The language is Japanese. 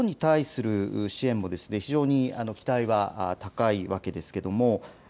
日本に対する支援も非常に期待は高いわけです。